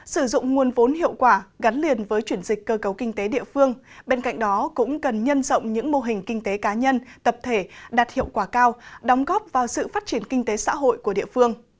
sử dụng nguồn vốn hiệu quả gắn liền với chuyển dịch cơ cấu kinh tế địa phương bên cạnh đó cũng cần nhân rộng những mô hình kinh tế cá nhân tập thể đạt hiệu quả cao đóng góp vào sự phát triển kinh tế xã hội của địa phương